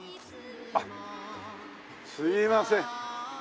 あっすいません。